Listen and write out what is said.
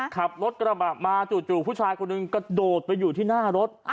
ขับรถกระบะมาจู่ผู้ชายคนหนึ่งกระโดดไปอยู่ที่หน้ารถ